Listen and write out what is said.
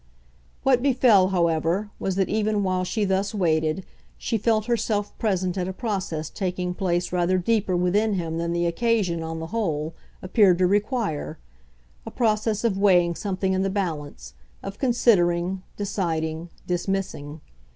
What befell, however, was that even while she thus waited she felt herself present at a process taking place rather deeper within him than the occasion, on the whole, appeared to require a process of weighing something in the balance, of considering, deciding, dismissing.